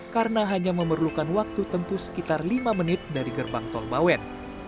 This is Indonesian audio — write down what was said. karena hanya memerlukan waktu tempuh sekitar lima menit dari gerbang tol bawen